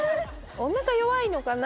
おなか弱いのかな？